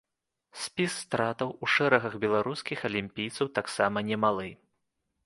Спіс стратаў у шэрагах беларускіх алімпійцаў таксама немалы.